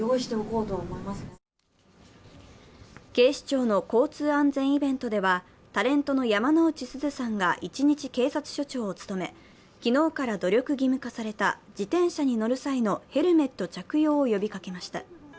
警視庁の交通安全イベントではタレントの山之内すずさんが一日警察署長を務め、昨日から努力義務化された自転車に乗る際のヘルメット着用を呼びかけました。